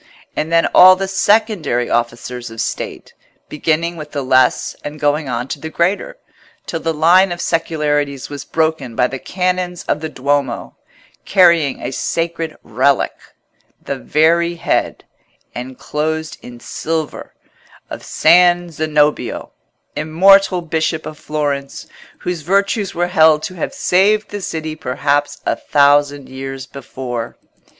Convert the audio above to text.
And then all the secondary officers of State, beginning with the less and going on to the greater, till the line of secularities was broken by the Canons of the Duomo, carrying a sacred relic—the very head, enclosed in silver, of San Zenobio, immortal bishop of Florence, whose virtues were held to have saved the city perhaps a thousand years before.